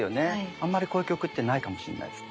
あんまりこういう曲ってないかもしんないです。